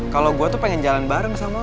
kalau gue tuh pengen jalan bareng sama